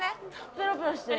ペロペロしてる。